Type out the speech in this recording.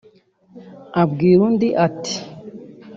abwira undi ati